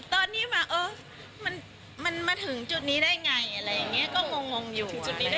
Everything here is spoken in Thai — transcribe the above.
ตอนนี้มันมาถึงจุดนี้ได้ไงอะไรอย่างนี้ก็งงจะอยู่